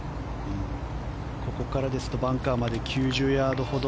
ここからですとバンカーまで９０ヤードほど。